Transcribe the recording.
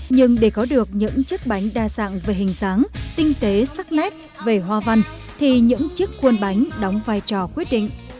nhưng để có được những chiếc bánh đa dạng về hình dáng tinh tế sắc nét về hoa văn thì những chiếc khuôn bánh đóng vai trò quyết định